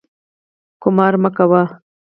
قمار مه کوئ